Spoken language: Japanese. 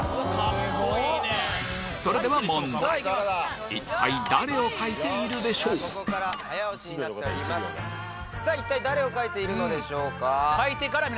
それではさぁ一体誰を描いているのでしょうか？